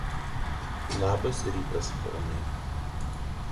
In addition, each difficulty rating would also be labeled with a title.